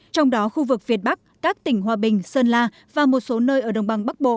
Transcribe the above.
trong đó khu vực việt bắc các tỉnh hòa bình sơn la và một số nơi ở đồng bằng bắc bộ